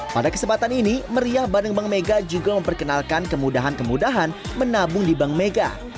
pada kesempatan ini meriah bareng bank mega juga memperkenalkan kemudahan kemudahan menabung di bank mega